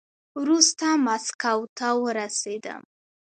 وروسته ماسکو ته ورسېدم.